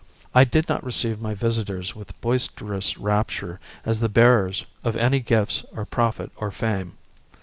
I did not receive my visitors with boisterous rapture as the bearers of any gifts of profit or fame.